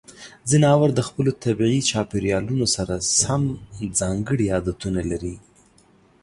ځناور د خپلو طبیعي چاپیریالونو سره سم ځانګړې عادتونه لري.